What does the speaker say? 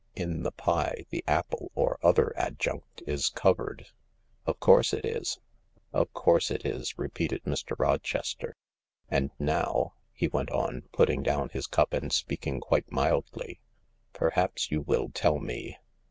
In the pie the apple or other adjunct is covered." " Of course it is." " Of course it is," repeated Mr. Rochester ;" and now," he went on, putting down his cup and speaking quite mildly, " perhaps you will tell me